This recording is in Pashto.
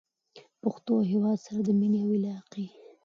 پښتو او هېواد سره د مینې او علاقې